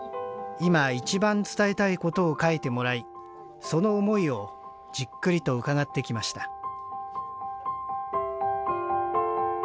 「今一番伝えたいこと」を書いてもらいその思いをじっくりと伺ってきました